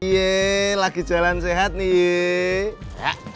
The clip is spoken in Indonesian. yeay lagi jalan sehat nih